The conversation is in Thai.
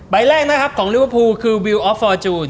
ใบแรกของลิเวอร์ภูคือวิวออฟฟอร์จูน